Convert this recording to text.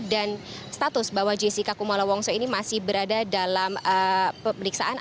status bahwa jessica kumala wongso ini masih berada dalam pemeriksaan